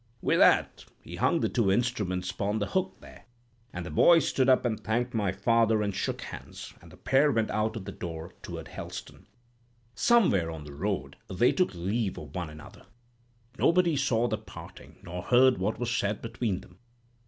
"With that he hung the two instruments 'pon the hook there; and the boy stood up and thanked my father and shook hands; and the pair went out of the door, toward Helston. "Somewhere on the road they took leave of one another; but nobody saw the parting, nor heard what was said between them.